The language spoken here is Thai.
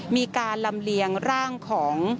มีการลำเลียงร่างของ